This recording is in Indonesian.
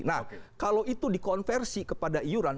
nah kalau itu dikonversi kepada iuran